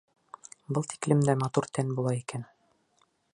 Был тиклем дә матур тән була икән?